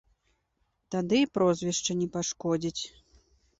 Тады і прозвішча не пашкодзіць.